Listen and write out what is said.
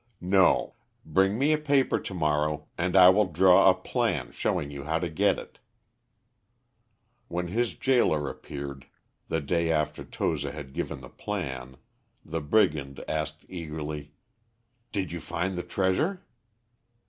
"No; bring me a paper to morrow, and I will draw a plan showing you how to get it." [Illustration: "I WILL DRAW A PLAN"] When his gaoler appeared, the day after Toza had given the plan, the brigand asked eagerly, "Did you find the treasure?"